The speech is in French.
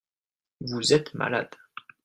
Vous êtes malade.